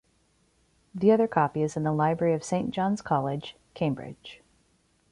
The other copy is in the library of Saint John's College, Cambridge.